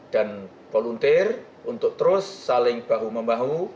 dan volunteer untuk terus saling bahu memahu